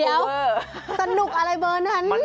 เดี๋ยวสนุกอะไรเบอร์นั้น